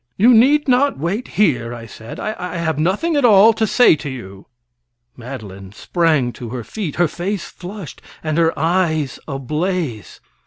"You need not wait here," I said; "I have nothing at all to say to you." Madeline sprang to her feet, her face flushed and her eyes ablaze.